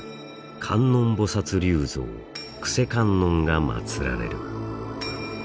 「観音菩立像救世観音」が祭られる。